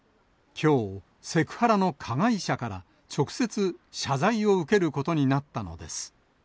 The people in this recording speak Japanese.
きょう、セクハラの加害者から直接、謝罪を受けることになったのです。